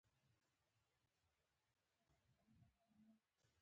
کله چې افغانستان کې ولسواکي وي یو بل ته غیږ ورکوو.